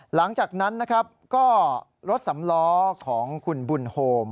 หลังจากนั้นนะครับก็รถสำล้อของคุณบุญโฮม